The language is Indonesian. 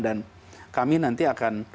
dan kami nanti akan